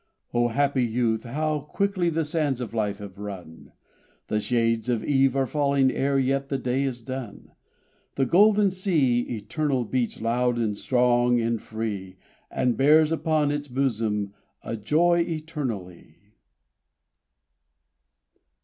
O happy Youth, how quickly the sands of life have run! The shades of eve are falling ere yet the day is done! The golden sea eternal beats loud and strong and free, And bears upon its bosom a joy eternally!